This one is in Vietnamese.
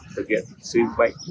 thực hiện suy vệnh